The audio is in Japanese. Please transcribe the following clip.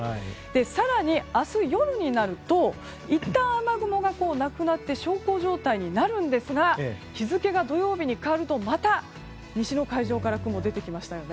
更に、明日夜になるといったん雨雲がなくなって小康状態になるんですが日付が土曜日に変わるとまた西の海上から雲が出てきましたよね。